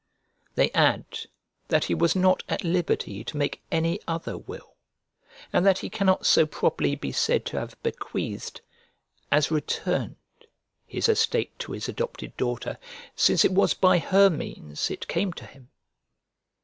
They add that he was not at liberty to make any other will, and that he cannot so properly be said to have bequeathed, as returned, his estate to his adopted daughter, since it was by her means it came to him.